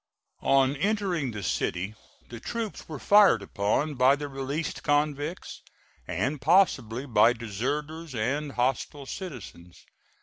On entering the city the troops were fired upon by the released convicts, and possibly by deserters and hostile citizens.